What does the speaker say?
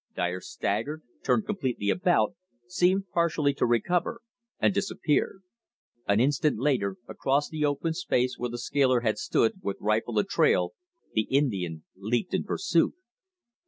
Dyer staggered, turned completely about, seemed partially to recover, and disappeared. An instant later, across the open space where the scaler had stood, with rifle a trail, the Indian leaped in pursuit.